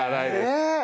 ねえ。